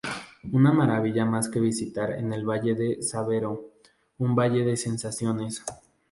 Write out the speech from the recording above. Una maravilla más que visitar en el Valle de Sabero, "Un Valle de Sensaciones".